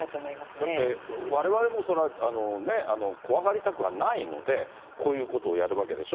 だって、われわれもそりゃ、ね、怖がりたくはないので、こういうことをやるわけでしょ。